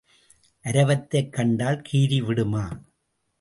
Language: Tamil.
அரவத்தைக் கண்டால் கீரி விடுமா?